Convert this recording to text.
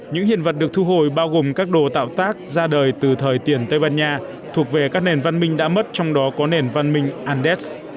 những hiện vật được thu hồi bao gồm các đồ tạo tác ra đời từ thời tiền tây ban nha thuộc về các nền văn minh đã mất trong đó có nền văn minh andes